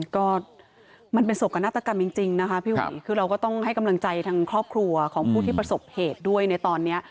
ก็มันเป็นโศกนาฏกรรมจริงนะคะพี่หุยคือเราก็ต้องให้กำลังใจทางครอบครัวของผู้ที่ประสบเหตุด้วยในตอนนี้